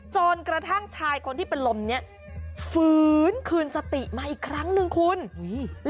จนกระทั่งชายคนที่เป็นลมเนี้ยฝืนคืนสติมาอีกครั้งหนึ่งคุณอุ้ย